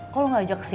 kok lo gak ajak kesini